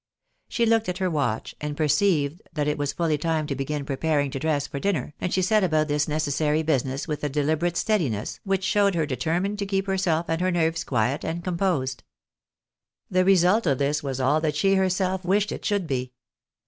She looked at her watch, and perceived that it was fully time to begin preparing her dress for dinner, and she set about this necessary business with a deliberate steadiness, which showed her determined to keep herself and her nerves quiet and composed. The result of this was aU that she herself wished it should be.